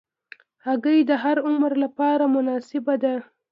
هګۍ د هر عمر لپاره مناسبه ده.